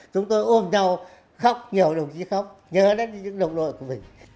chúng tôi ôm nhau khóc nhiều đồng chí khóc nhớ đến những đồng đội của mình